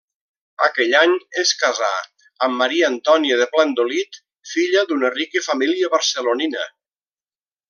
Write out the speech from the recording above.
Aquell any es casà amb Maria Antònia de Plandolit, filla d'una rica família barcelonina.